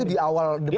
itu di awal debat ya